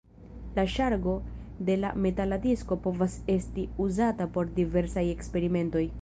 La ŝargo de la metala disko povas esti uzata por diversaj eksperimentoj.